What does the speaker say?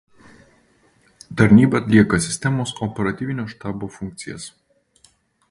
Tarnyba atlieka sistemos operatyvinio štabo funkcijas.